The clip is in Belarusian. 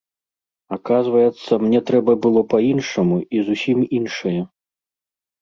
Аказваецца, мне трэба было па-іншаму і зусім іншае.